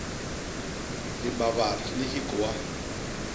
Libabat li hikôa.